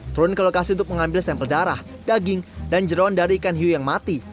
turun ke lokasi untuk mengambil sampel darah daging dan jerawan dari ikan hiu yang mati